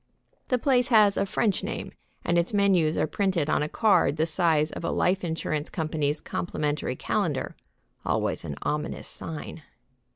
The place has a French name and its menus are printed on a card the size of a life insurance company's complimentary calendar, always an ominous sign.